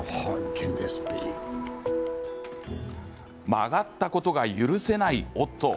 曲がったことが許せないオットー。